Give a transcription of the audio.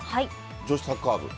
女子サッカー部。